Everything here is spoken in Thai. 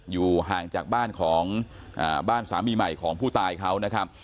อยู่ห่างจากบ้านของบ้านสามีใหม่ของผู้ตายเขานะครับ